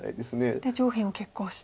で上辺を決行して。